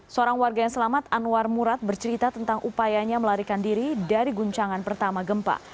seorang warga yang selamat anwar murad bercerita tentang upayanya melarikan diri dari guncangan pertama gempa